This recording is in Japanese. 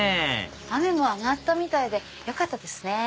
雨も上がったみたいでよかったですね。